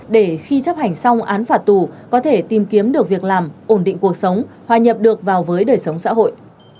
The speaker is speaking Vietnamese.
để khi chấp hành xong án phạt tù có thể tìm kiếm được việc làm ổn định cuộc sống hòa nhập được vào với đời sống xã hội